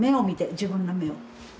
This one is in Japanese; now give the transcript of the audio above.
自分の目を。